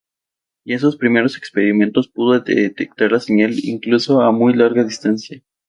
Ya en sus primeros experimentos pudo detectar la señal incluso a muy gran distancia.